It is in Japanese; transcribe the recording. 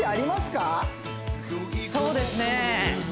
そうですね